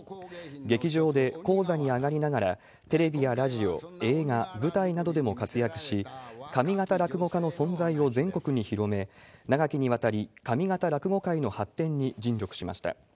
劇場で高座に上がりながら、テレビやラジオ、映画、舞台などでも活躍し、上方落語家の存在を全国に広め、長きにわたり、上方落語界の発展に尽力しました。